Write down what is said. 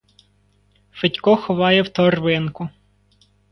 Федько ховає в торбинку.